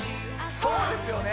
そうですよね！